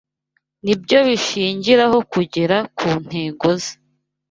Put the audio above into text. ni byo bishingiraho kugera ku ntego ze